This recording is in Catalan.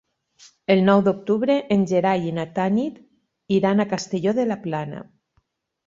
El nou d'octubre en Gerai i na Tanit iran a Castelló de la Plana.